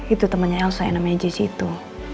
itu temennya elsa yang namanya jessy itu